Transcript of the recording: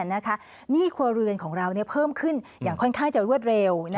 หนี้ครัวเรือนของเราเพิ่มขึ้นอย่างค่อนข้างจะรวดเร็ว